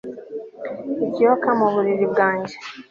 ikiyoka mu buriri bwanjye